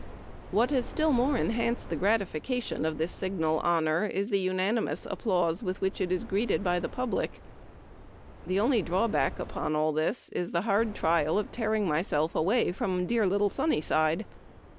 What has still more enhanced the gratification of this signal honor is the unanimous applause with which it is greeted by the public. The only drawback upon all this is the hard trial of tear ing myself away from dear little Sunnyside.